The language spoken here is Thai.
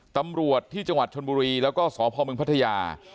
ตำรวจที่จังหวัดชนบุรีแล้วก็สพมพัทยา